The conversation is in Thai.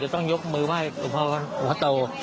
จะต้องยกมือไว้ลุงพ่อซื้อพระนันเชิงตว์